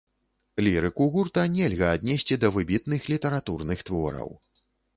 Лірыку гурта нельга аднесці да выбітных літаратурных твораў.